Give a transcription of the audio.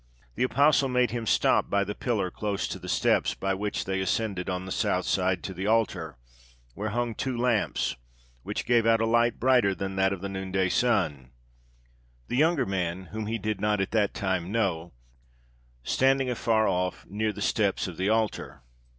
The apostle made him stop by the pillar close to the steps by which they ascend on the south side to the altar, where hung two lamps, which gave out a light brighter than that of the noonday sun; the younger man, whom he did not at that time know, standing afar off, near the steps of the altar.